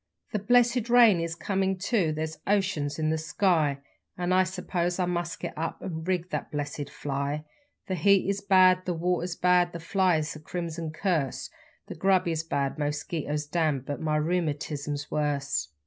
The blessed rain is comin' too there's oceans in the sky, An' I suppose I must get up and rig the blessed fly; The heat is bad, the water's bad, the flies a crimson curse, The grub is bad, mosquitoes damned but rheumatism's worse.